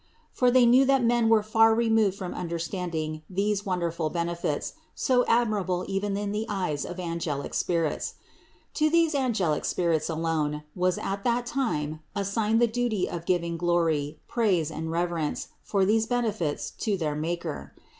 For they knew that men were far removed from understanding these won derful benefits, so admirable even in the eyes of angelic spirits. To these angelic spirits alone was at that time assigned the duty of giving glory, praise and reverence for these benefits to their Maker.